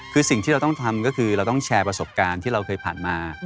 คือสิ่งที่เราต้องทำก็คือเราต้องแชร์ประสบการณ์ที่เราเคยผ่านมา